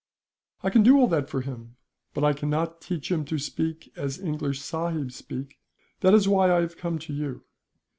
"' "I can do all that for him, but I cannot teach him to speak as English sahibs speak; and that is why I have come to you.